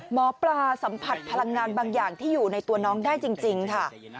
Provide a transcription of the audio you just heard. หมอปลาสัมผัสพลังงานบางอย่างที่อยู่ในตัวน้องได้จริงค่ะ